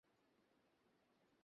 আমার কথা বুঝতে পারছ কি।